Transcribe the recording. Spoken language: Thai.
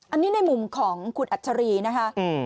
อันนี้ในมุมของคุณอัชรีนะคะ